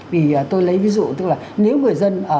vì tôi lấy ví dụ tức là nếu người dân